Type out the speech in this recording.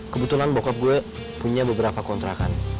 kebetulan bokap gue punya beberapa kontrakan